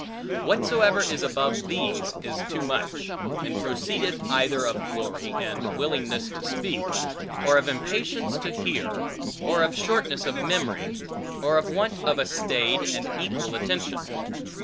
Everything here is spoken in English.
Whatsoever is above these is too much; and proceedeth either of glory, and willingness to speak, or of impatience to hear, or of shortness of memory, or of want of a staid and equal attention.